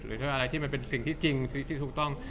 หรือถ้าอะไรที่มันเป็นสิ่งที่จริงที่ถูกต้อง